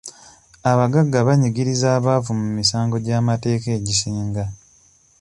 Abaggaga banyigiriza abaavu mu misango gy'amateeka egisinga.